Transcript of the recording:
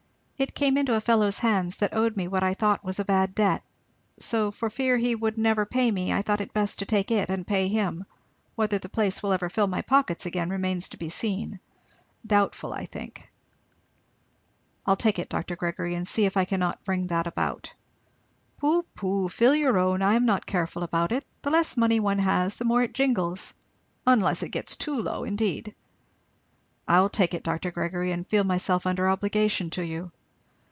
It came into a fellow's hands that owed me what I thought was a bad debt, so for fear he would never pay me I thought best to take it and pay him; whether the place will ever fill my pockets again remains to be seen; doubtful, I think." "I'll take it, Dr. Gregory, and see if I cannot bring that about." "Pooh, pooh! fill your own. I am not careful about it; the less money one has the more it jingles, unless it gets too low indeed." "I will take it, Dr. Gregory, and feel myself under obligation to you."